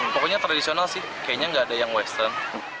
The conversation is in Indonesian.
pokoknya tradisional sih kayaknya nggak ada yang western